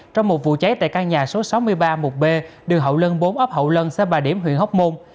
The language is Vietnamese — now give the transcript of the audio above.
trong một vụ cháy tại căn nhà số sáu mươi ba một b đường hậu lân bốn ấp hậu lân xã bà điểm huyện hóc môn